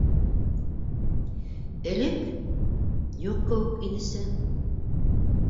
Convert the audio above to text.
Элек... юҡ кеүек инесе...